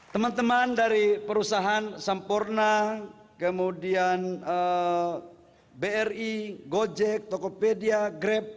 teman teman dari perusahaan sampurna kemudian bri gojek tokopedia grab